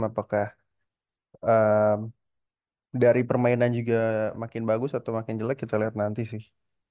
apakah dari permainan juga makin bagus atau makin jelek kita lihat nanti sih